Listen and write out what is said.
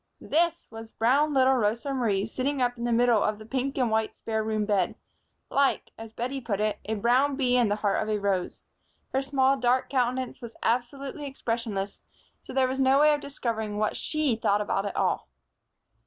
"This" was brown little Rosa Marie sitting up in the middle of the pink and white spare room bed, like, as Bettie put it, a brown bee in the heart of a rose. Her small dark countenance was absolutely expressionless, so there was no way of discovering what she thought about it all.